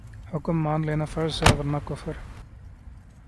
حکم مان لینا فرض ہے ورنہ کفر